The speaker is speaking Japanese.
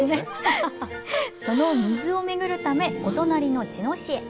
その水を巡るため、お隣の茅野市へ。